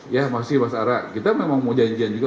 ya masih mas ara kita memang mau janjian juga